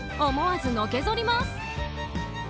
思わずのけぞります。